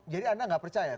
jadi anda nggak percaya